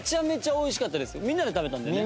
みんなで食べたんだよね。